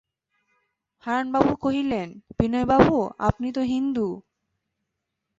হারানবাবু কহিলেন, বিনয়বাবু, আপনি তো হিন্দু?